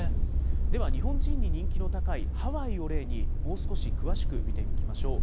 では日本人に人気の高いハワイを例に、もう少し詳しく見ていきましょう。